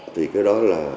thì cái đó là